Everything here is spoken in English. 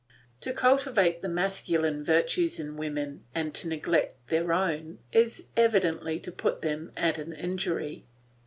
To cultivate the masculine virtues in women and to neglect their own is evidently to do them an injury.